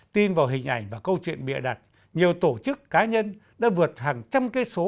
tin vào hình ảnh và câu chuyện bịa đặt nhiều tổ chức cá nhân đã vượt hàng trăm cây số